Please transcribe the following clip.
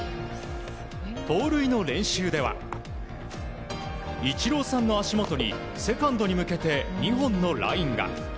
盗塁の練習ではイチローさんの足元にセカンドへ向けて２本のラインが。